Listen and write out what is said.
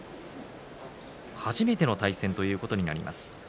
初めての対戦ということになります。